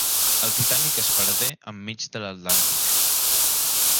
El Titanic es perdé enmig de l'Atlàntic.